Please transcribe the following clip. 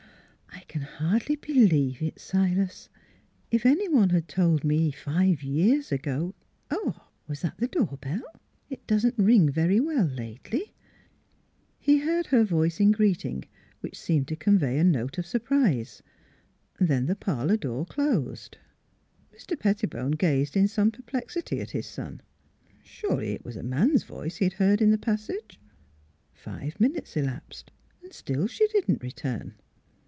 " I can hardly believe it, Silas. ... If any one had told me five years ago Hark! Was that the door bell? It doesn't ring very well lately. ...." He heard her voice in greeting, which seemed to convey a note of surprise. Then the parlor door closed. Mr. Pettibone gazed in some per plexity at his son. Surely, it was a man's voice he had heard in the passage, ,.. Five minutes NEIGHBORS 297 elapsed and still she did not return.